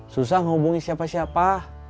susah menghubungi siapa siapa